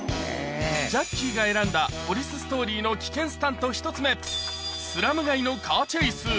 ジャッキーが選んだポリス・ストーリーの危険スタント１つ目、スラム街のカーチェイス。